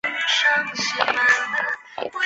腺萼越桔为杜鹃花科越桔属下的一个种。